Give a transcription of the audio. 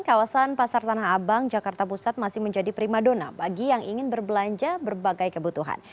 kawasan pasar tanah abang jakarta pusat masih menjadi prima dona bagi yang ingin berbelanja berbagai kebutuhan